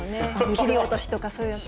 切り落としとかそういうやつ。